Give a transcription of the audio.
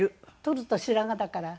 取ると白髪だから。